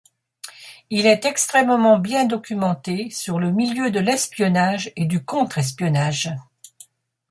Il est extrêmement bien documenté sur le milieu de l'espionnage et du contre-espionnage.